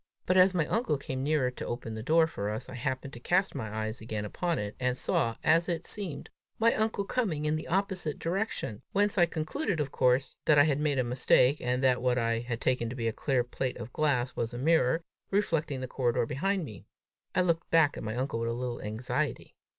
But as my uncle came nearer to open the door for us, I happened to cast my eyes again upon it, and saw, as it seemed, my uncle coming in the opposite direction; whence I concluded of course, that I had made a mistake, and that what I had taken for a clear plate of glass, was a mirror, reflecting the corridor behind me. I looked back at my uncle with a little anxiety.